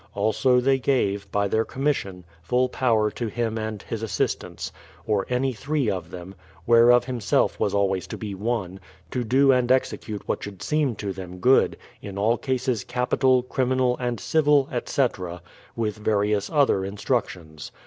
Also, they gave (by their com mission) full power to him and his assistants, or any three of them, whereof himself was always to be one, to do and execute what should seem to them good, in all cases capital, THE PL\TMOUTH SETTLEMENT 127 criminal, and civil, etc, with various other instructions.